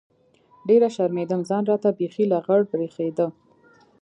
ډېر شرمېدم ځان راته بيخي لغړ بريښېده.